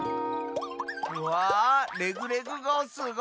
うわレグレグごうすごい！